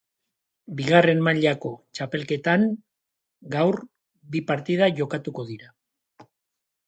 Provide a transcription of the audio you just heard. Bigarren mailako txapelketan gaur bi partida jokatuko dira.